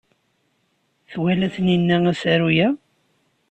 Twala Taninna asaru-a?